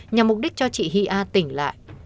nhằm mục đích cho chị hy a tỉnh lại